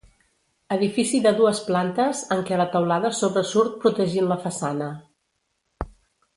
Edifici de dues plantes en què la teulada sobresurt protegint la façana.